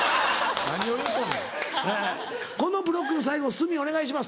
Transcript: このブロックの最後鷲見お願いします。